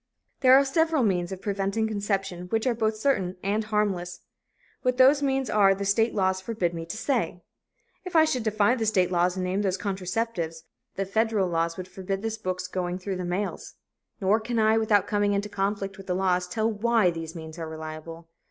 There are several means of preventing conception which are both certain and harmless. What those means are the state laws forbid me to say. If I should defy the state laws and name those contraceptives, the federal laws would forbid this book's going through the mails. Nor can I, without coming into conflict with the laws, tell why these means are reliable.